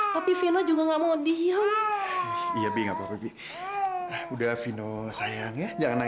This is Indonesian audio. sampai jumpa di video selanjutnya